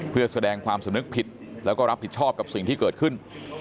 เพื่อแสดงความสำนึกผิดแล้วก็รับผิดชอบกับสิ่งที่เกิดขึ้น